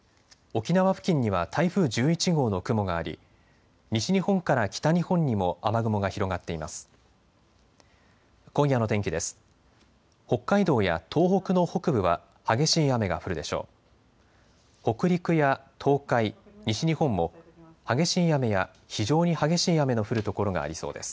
沖縄付近には台風１１号の雲があり西日本から北日本にも雨雲が広がっています。